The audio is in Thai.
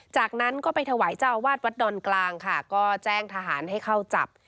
จากนั้นก็ไปถวายเจ้าอาวาสวัดดอนกลางค่ะก็แจ้งทหารให้เข้าจับ